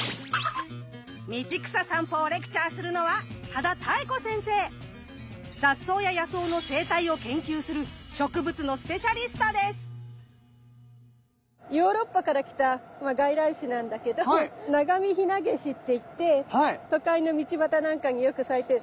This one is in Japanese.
道草さんぽをレクチャーするのは雑草や野草の生態を研究するヨーロッパから来た外来種なんだけどナガミヒナゲシって言って都会の道端なんかによく咲いてる。